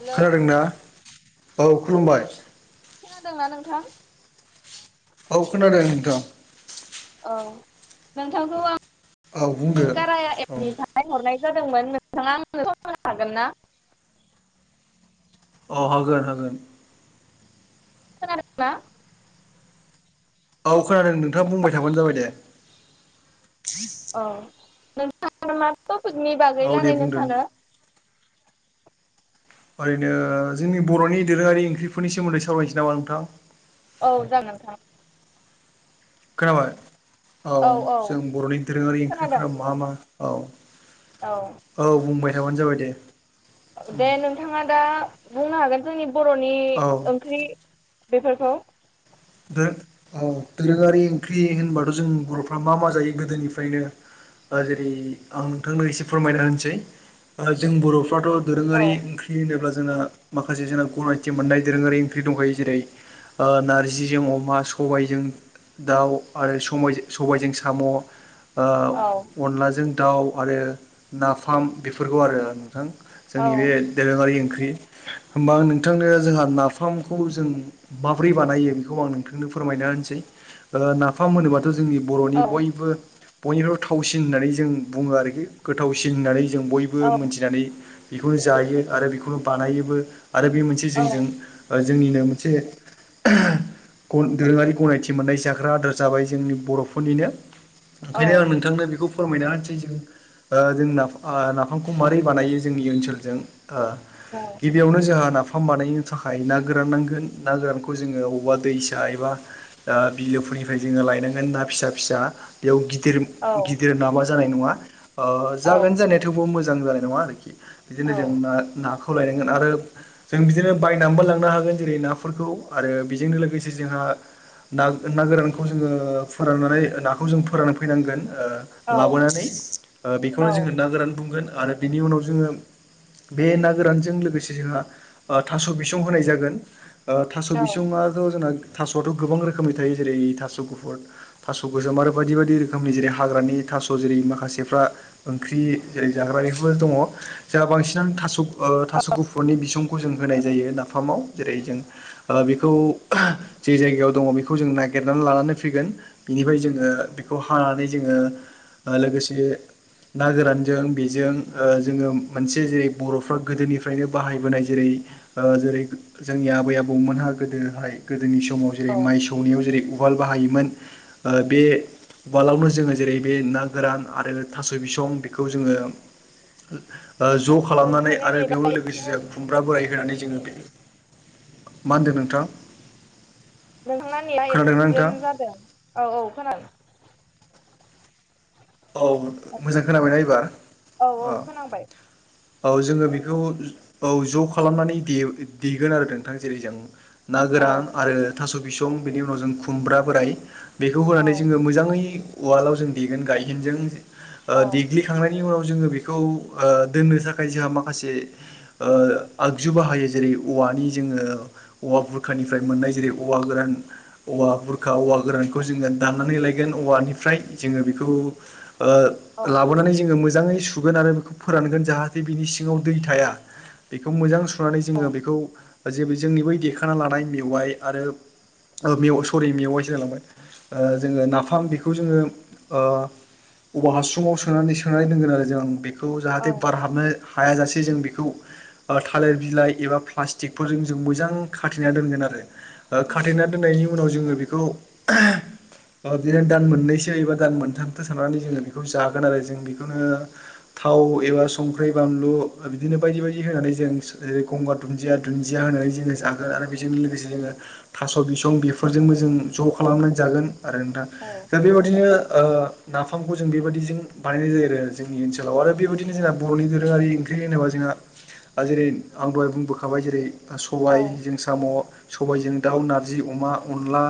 Hello खोनादोंना औ खुलुमबाय। खोनादोंना नोंथां? औ खोनादों नोंथां। औ नोंथांखौ औ बुंदो आं कार औ एमनि थाखाय हरनाय जादोंमोन नोंथाङानोनो हागोन ना? अ होगोन होगोन। खोनादों ना? औ खोनादों नोंथाङा बुंबाय थाबानो जाबाय दे। औ नोंथाङा मा टपिकनि बागै औ दे रायलायनो बुंदो सानो? ओरैनो जोंनि बर'नि दोरोङारि ओंख्रिफोरनि सोमोन्दै सावरायनोसै नामा नोंथां? औ जागोनथां। खोनाबाय औ जों बर'नि दोरोङारि खोनादों ओंख्रिफोरा मा मा औ औ औ बुंबाय थाबानो जाबाय दे। दे नोंथाङा दा बुंनो हागोन जोंनि बर'नि औ ओंख्रि बेफोरखौ दा औ दोरोङारि ओंख्रि होनबाथ' जों बर'फ्रा मा मा जायो गोदोनिफ्रायनो ओ जेरै आं नोंथांनो एसे फोरमायना होनोसै जों बर' फ्राथ' औ दोरोङारि ओंख्रि होनोबा जोंङो माखासे जोंना गनायथि मोननाय दोरोङारि ओंख्रि दंखायो जेरै ओ नारजि जिजों अमा सबायजों दाउ आरो समाय सबायजों साम' ओ औ अनलाजों दाउ आरो नाफाम बेफोरखौ आरो नोंथां औ जोंनि बे दोरोङारि ओंख ख्रि होमबा आं नोंथांनो जोंहा नाफामखौ जों माब्रै बानायो खौ आं नोंथांनो फोरमायना होनसै ओ नाफाम होनोबाथ' जोंनि बर'नि औ बयबो बयनिबो थावसिन होननानै जों बुङो आरोखि गोथावसिन होननानै जों बयबो औ मोनथिनानै बेखौनो जायो आरो बेखौनो बानायोबो आरो बे मोनसे औ जोंजों ओ जोंनिनो मोनसे गन दोरोङारि गनायथि मोननाय जाग्रा आदार जाबाय जोंनि बर'फोरनिनो औ ओंखायनो आं नोंथांनो बेखौ फोरमायना हानोसै जों जों नाफामखौ माबारै बानायो जोंनि ओनसोलजों ओ औ गिबियावनो जोंहा नाफाम बानायनो थाखाय ना गोरान नांगोन ना गोरानखौ जोङो बबावबा दैसा एबा ओ बिलोफोरनिफ्राय जोङो लायनांगोन ना फिसा फिसा बेयाव गि दिर औ गिदिर नाबा जानाय नङा ओ जागोन औ जानाया थेवबो मोजां जानाय नङा आरोखि बिदिनो जों नाखौ खौ लायनांगोन आरो जों बिदिनो बायनानैबो लांनो हागोन जेरै नाफोरखौ आरो बेजोंनो लो से जोंहा ना ना गोरानखौ जोङो फोराननानै नाखौ जों फोरान फैनांगोन ओ औ लाबोनानै बेखौनो जोङो ना गोरान बुंगोन आरो बिनि उनाव जोङो बे ना गोरानजों लोगोसे जोंहा थास' बिसं होनाय जागोन ओ थास' औ बिसङाथ' जोंना थास'आथ' गोबां रोखोमनि थायो जेरै थास' गुफुर थास' गोसोम आरो बायदि बायदि रोखोमनि जेरै हाग्रानि नि थास' जेरै माखासेफ्रा ओंख्रि जै जाग्रा एफोर दङ जों बांसिनानो थास' ओ थास' गुफुरनि बिसंखौ जों होनाय जायो नाफामाव जेरै जों ओ बे खौ याव दङ बेखौ जों नागिरनानै लानानै फैगोन बिनिफ्राय जोङो बेखौ हानानै जोङो ओ लोगोसे ना गोरानजों बेजों जोङो मोनसे जे बर'फ्रा गोदोनिफ्रायनो बाहायबोनाय जेरै ओ जेरै जोंनि आबै आबौमोनहा गोदोहाय जोंनि समाव जेरै औ माइ सौनायाव जेरै उवाल बाहायोमोन ओ बे उवालावनो जोङो जेरै बे ना गोरान आरो थास' बिसं बेखौ जोङो ओ औ ज' खालामनानै नोंथांनिया आरो नेटआ बेयावनो लोगोसे एसे जों खुमब्रा बोराय होनानै जोङो मा होनदों नोंथां नोंथांना एसे खोनादोंना प्रब्लेम नोंथां जादों औ औ खोनादों औ मोजां खोनाबायना एबार औ अ औ खोनांबाय औ जोङो बेखौ औ ज' खालामनानै दे देगोन आरो नोंथां जेरै जों ना औ गोरान आरो थास' बिसं बेनि उनाव जों खुमब्रा बोराय बेखौ औ होनानै जोङो मोजाङै उवालाव जों देगोन गायहेनजों ओ औ देग्लिखांनायनि उनाव जोङो बेखौ दोननो थाखाय जों माखासे ओ आगजु बाहायो जेरै औवा मानि जोङो औवा बुरखानिफ्राय मोननाय जेरै औवा गोरान औवा बुरखा औवा गोरानखौ जोङो दाननानै लायगोन औवानिफ्राय जोङो बेखौ औ ओ लाबोनानै जोङो मोजाङै सुगोन आरो बेखौ फोरानगोन जाहाथे बिनि सिङाव दै थाया बेखौ मोजां सुनानै औ जोङो बेखौ जे जोंनि बै देखाना लानाय मेवाइ आरो ओ मेव सरि मेवाइसो होनलाय लांबाय जोङो नाफाम बेखौ जोङो औवा हासुङाव सोनानै सोनानै दोनगोन आरो जों बेखौ औ जाहाथे बार हाबनानै हायाजासे जों बेखौ थालिर बिलाइ एबा प्लास्टिकफोरजों जों मोजां खाथेना दोनगोन आरो उम खाथेना दोननायनि उनाव जोङो बेखौ ओ बिदिनो दान मोननैसो एबा दान मोनथाम नानै ज जागोन आरो जों बेखौनो थाव एबा संख्रि बानलु बिदिनो बायदि बायदि होनानै जों जेरै गंगार दुन्दिया दुन्दिया होनानै जोङो जागोन आरो बेजों लोगोसे जोङो थास' बिसं बेफोरजोंबो जों ज' खालामनानै जागोन आरो नोंथां औ दा बेबादिनो ओ नाफामखौ जों बेबायदिजों बानायनाय जायो आरो जोंनि ओनसोलाव आरो बेबायदिनो जोंहा बर'नि दोरोङारि ओंख्रि होनोबा जोंहा आरो जेरै आं दहाय बुंबोखाबाय जेरै औ सबाय जों साम' सबायजों दाउ नारजि अमा अनला।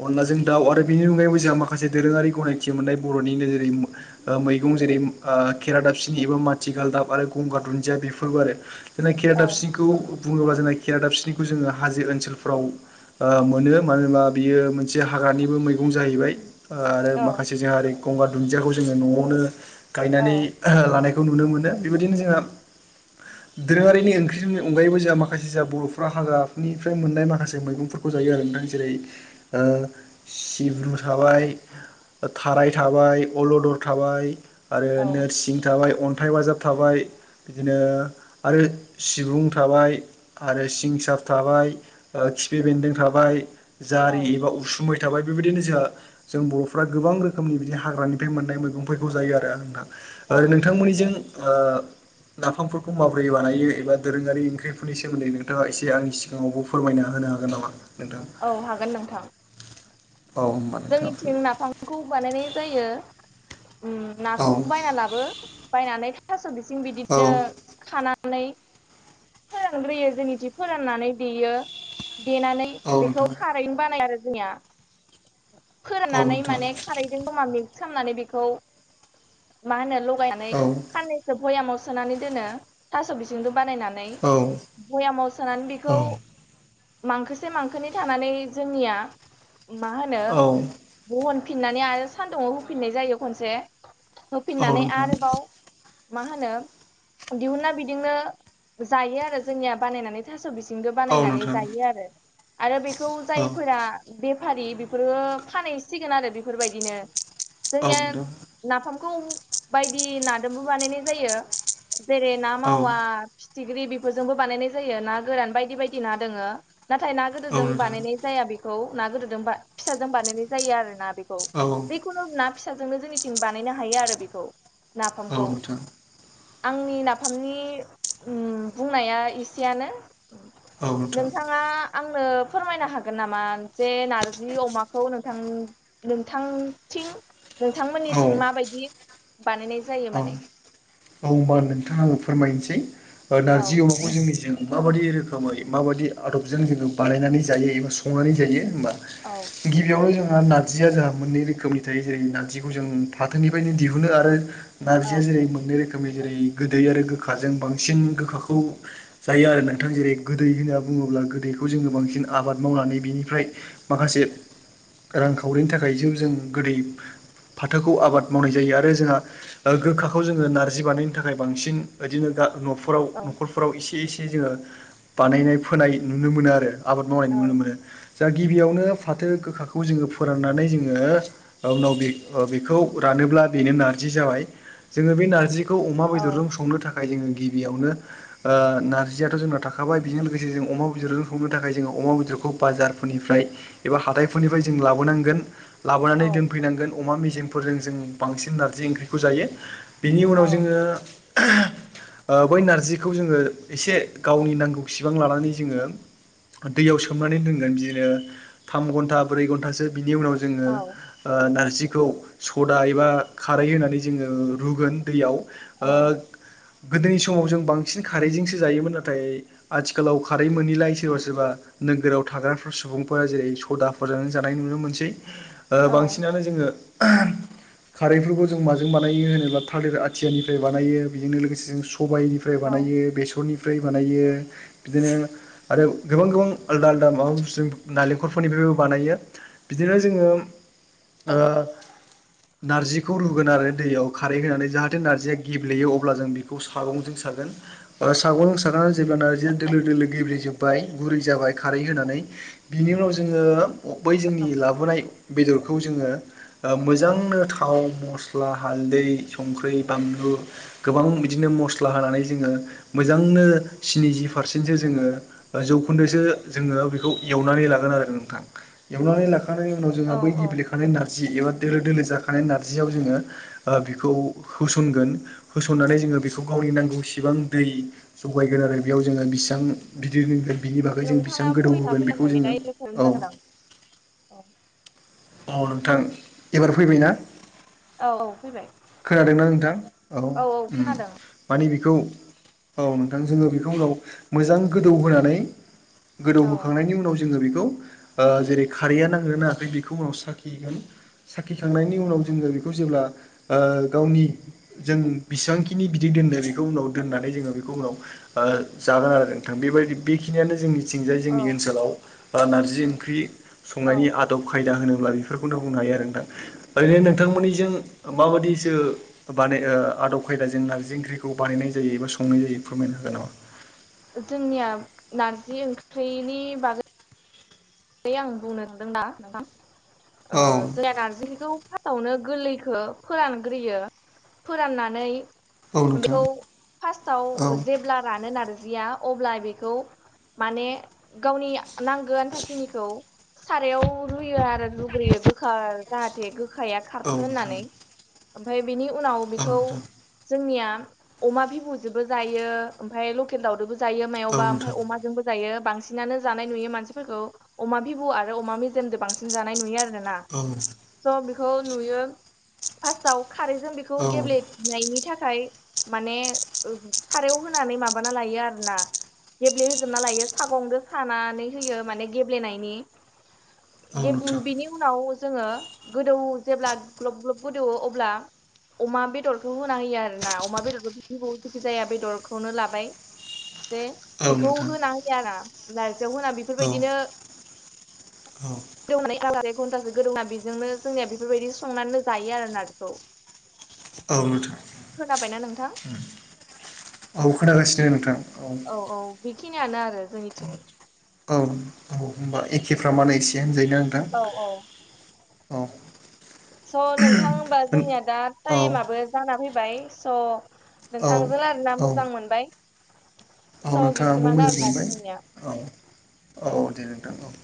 ओ अनलाजों दाउ आरो बिनि मुगैबो जोंहा माखासे दोरोङारि गनायथि मोननाय बर'निनो जेरै मैगं जेरै ओ खेरादाब सिनि एबा माथिगालदाब आरो गंगार दुन्दिया बेफोरबो आरो जोंना औ खरादाब सिंखौ बुङोबा जोंना खेरादाब सिनिखौ जोङो हाजो ओनसोलफ्राव मोनो मानो होनबा बियो मोनसे हाग्रानिबो मैगं सम जाहैबाय। ओ आरो औ माखासे जोंहा ओरै गंगार दुन्दियाखौ जोङो न'आवनो औ गायनानै लानाय खौ नुनो मोनो बेबायदिनो जोंहा दोरोङारिनि ओंख्रिनि अनगायैबो जोंहा माखासे जोंहा बर'फोरा्रा हाग्रानिफ्राय मोननाय माखासे मैगंफोरखौ जा जेरै ओ सिब्रु साबाय थाराय थाबाय अलदर थाबाय आरो औ नोरसिं थाबाय अन्थाइ बाजाब थाबाय बिदिनो आरो सिबुं थाबाय आरो सिं सार थाबाय। खिफि बेन्दों थाबाय। जारि औ एबा उसुमै थाबाय बेबायदिनो जोंहा जों बर'फ्रा गोबां रोखोमनि बिदि हाग्रानिफ्राय मोननाय मैगंफोरखौ जायो आरो आं दा नोंथांमोननिजों ओ नाफामफोरखौ माबोरै बानायो एबा दोरोङारि ओंख्रिफोरनि सोमोन्दै नोंथाङा एसे आंनि सिगाङावबो फोरमायना हा मोन हागोन नामा? नोंथां? औ हागोन नोंथां। औ होनोमबा नोंथाङा नखौ बानायनाय जायो नाखौ औ बायना लाबो बायनानै थास' बेसि जों बिदिनो औ खान नानै फोरानग्रोयो जोंनिथि फोराननानै देयो। देनानै औ बेखौ नोंथां खारैनो बानाय आरो जोंनिया औ फोरनानै नोंथां माने खारैजों जमा मिक्स खालामनानै बेखौ मा होनो ल औ नानैैसो भयाव सोनानै दोनो थ बि औ भयामाव सोनानै औ बेखौ मांखोसे मांखोनि थानानै जोंनिया मा होनो? औ खनफिननानै आरो सान्दुंङाव होफिननाय जायो खनसे औ होफिननानै नोंथां आरोबाव मा होनो दिहुना बिदिनो जायो आरो जोंनिया बानायनानै थास' बिसि औ बनानै नोंथां जायो आरो बे औ जायफोरा बेफारि बे फानहैसिगोन आरो बेफोरबायदिनो जोंनिया औ नोंथां नाफाम गौ बायदि नाजोंबो बानायनाय जायो जेरै ना औ नोंथां औ मावा। फिथिख्रि बेफोरजोंबो बानायनाय जायो ना गोरान बायदि बायदि ना दोङो। नाथाय ना औ गोदोजों नोंथां औ बानायनाय जाया बेखौ ना गोदोजों फिसाजों बानायनाय जायो आरो ना? बेखौ जिखुनु ना फिसाजोंनो जोंनिथिं बानायनो हायो आरो बेखौ। नाफामखौ आंनि नाफामनि बुंनाया एसेयनो। नोंथां नोंथाङा आंनो फोरमायनो हागोन नामा? जि अमाखौ नोंथां नोंथांथिं औ नोंथांमोननिथिं माबायदि बानायनाय जायो औ माने औ होनबा नोंथाङाबो फोरमायनोसै औ नारजि अमाखौ जोंनिजों माबायदि रोखोमै माबायदि आदबजों जोङो बानायनानै जायो एबा संनानै जायो होमबा औ गिबियावनो जों नारजिया जोंहा मोननै रोखोमनि थायो जेरै नारजिखौ जों फाथोनिफ्रायनो दिहुनो आरो नारजि औ जेरै मोननै रोखोम रोखोमनि जेरै गोदै आरो गोखाजों बांसिन गोखाखौ जायो आरो नोंथां जेरै गोदै होनना बुङो। बुङोब्ला गोदैखौ जोङो बांसिन आबाद मावनानै बिनिफ्राय माखासे रांखावरिनि थाखाय ज जों गोदै फाथोखौ आबाद मावनाय जायो आरो जोंहा गोखाखौ जोङो नारजि बानायनो थाखाय बांसिन बिओदिनो न'फोराव औ न'खरफोराव एसे एसे एसे जोङो बानायनाय फोनाय नुनो मोनो आरो आबाद मावनाय नुनो औ मोनो। जा गिबियावनो फाथो गोखाखौ जोङो फोराननानै जोङो उनाव बे बेखौ रान ब्ला बेनो नारजि जाबाय जोङो बे नारजिखौ अमा औ बेदरजों संनो थाखाय गिबियावनो नारजियाथ' जोंनना थाखाबाय बेजों लोगोसे जों अमा बेदरजों संनो थाखाय जोङो अमा बेदरखौ बे बाजारफोरनिफ्राय एबा हााइफोरनिफ्राय जों लाबोनांगोन औ लाबोनानै दोनफैनांगोन अमा मेजेंफोरजों जों बांसिन नारजि ओंख्रिखौ जायो। बेनि औ उनाव जोङो [unintelligible] बै नारजिखौ जोङो एसे गावनि नांगौ सिबां लानानै जोङो दैयाव सोमनानै दोनगोन बिदिनो थाम घन्टा ब्रै घन्टासो बिनि उनाव जोङो औ नारजिखौ सदा एबा खारै होनानै जोङो रुगोन दैयाव गोदोनि समाव जों बांसिन खारैजोंसो जायोमोन नाथाय आथिखालाव खारै मोनैलाय सोरबा सोरबा नोगोराव थाग्राफोर सुबुंफोरा जेरै सदाफोरजों जानाय नुनो मोनसै बांसिनानो जोङो खारैफोरखौ जों माजों बानायो होनो थालिर आथियानिफ्राय बानायोायो बेजोंनो लोगोसे जों सबायनिफ्राय औ बानायो बेसरनिफ्राय बानाय बिदिनो आरो गोबां गोबां आलदा आदा माबा नालेंखरफोरनि फोर बानायो बिदिनो जोङो नारजिखौ रुगोन आरो दैयाव खारैहोनानै जाहाथे नारजिया गेब्लेयो अब्ला जों बेखौ सागंजों सागोन ओ सागं सानानै जेब्ला ार जो दोलो दोलो गेब्लेेजोबबाय गुरै जाबाय खारै होनानै बिनि उनाव जोङो बै जोंनि लाबोनाय बेदरखौ जोङो मोजांनो थाव मस्ला हाल बि संख्रै बानलु गोबां बिदिनो मसला होनानै जोङो मोजांनो स्निजि पारसेन्टसो जोङो जौखोन्दोसो जोङो बेखौ एवनानै लागोन आरो नोंथां। एवनानै लाखानाय उनाव जोंहा औ बै औ गेब्लेखानाय नारजि एबा दोलो दोलो जाखानाय नारजियाव जोङो बेखौ होसनगोन होसननानै जोङो बेखौ गावनि नांगौसेबां दै जगायगोन। आरो बेयाव जोङो बिसेबां बिदिरो नोंथाङा भयआ फैयाखै दा ए र प्रेम औ जागोन आं औ। अ नोंथां एबार फैबायना? औ फैबाय खोनादोंना नोंथां? औ माने बेखौ औ नोंथां जोङो बेखौ उनाव मोजां गोदौ होनानै औ गोदौहोखांनायनि उनाव जोङो बेखौ जेरै खारैया नांगनो नाङाखै बेखौ उनाव साखिगोन। साखिखांनायनि उनाव जोङो बेखौ जेब्ला गावनि जों बिसेबांखिनि बिदै खौ उनाव दनानै जोङो बेखौ उनाव जागोन आरो नोंथां बेबाय बेखिनिया जोंनि थिंजाय औ जोंनि ओनसोलाव बा नारजि ओंख्रि औ संनायनि आदब ा होनोब्ला बेफोरखौनो बुंनो हायो आरो नोंथां ओरैनो नोंथांमोननिजों माबादिसो बानाय आदब खायदाजों नारजि ओंख्रिखौ बानायनाय जायो एबा संनाय जायो फोरमायनो हागोनामा? जोंनिया नारजि ओंख्रिनि बागै है आं बुंनो [unintelligible] ओ [unintelligible] हागोन नारजिखौ [unintelligible] फावनो गोरलैखो फोरानग्रोयो फोराननानै नामा? बेखौ फार्स्टआव औ नोंथां औ जेब्ला रानो नार जिया अब्ला बेखौ माने गावनि नांगो आनथा सारायाव रुयो आरो रुग्रोयो गो जाहाथे गोखाया औ खारथो नोंथां होननानै ओमफ्राय बिनि उनाव औ बेखौ नोंथां जोंनिया अमा बिबुजोंबो जायो ओमफ्राय लकेल दाउजोंबो जायो औ मायावबा नोंथां ओमफ्राय अमाजोंबो जायो बांसिनानो जानाय नुयो मानसिफोरखौ अमा बिबु आरो अमा मेजेमजों बांसिन जानाय नुयो आरो ना स' बेखौ नुयो फार्स्टाव खारैजों बेखौ औ गेब्लेबनायनि थाखाय माने थारायाव होनानै माबाना लायो आरो ना गेब्लेहोजोबना लायो सागंजों खानानै होयो माने गेब्लेनायनि औ नोंथां बिनि उनाव जोङो गोदौ जेब्ला ग्लब ग्लब गोदौवो अब्ला अमा बेदरखौ होना होयो आरो ना अमा बेदरखौ बि जेखि जाया बेदरखौनो लाबाय दे औ बेखौ नोंथां होना होयाना नारजियाव होना औ बेफोरबायदिनो [unintelligible] व घन्टासो गोदौना बेजोंनो जोंनिया बेफोरबायदि संनानै जायो आरो नार्जिखौ औ नोंथां नोंथां औ खोनागासिनो नोंथां औ औ बेखिनियानो आरो जोंनिथिं औ औ होमबा एखेफ्रामानो एसे होनजायो औ औ स' नोंथां होनबा जोंनिया दा औ टाइमाबो जाना फै बाय स' औ नोंथांजों रायलायना औ मोजां मोनबाय औ स' नोंथां आाबो बिसिमानो मोजां आरोना मोनबाय दिनैनिया औ औ दे नोंथां औ